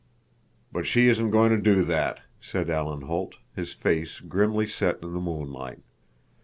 "But she isn't going to do that," said Alan Holt, his face grimly set in the moonlight.